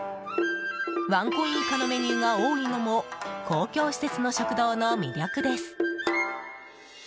ワンコイン以下のメニューが多いのも公共施設の食堂の魅力です。